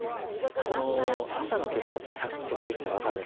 この朝の血圧は測定したら分かるんですね。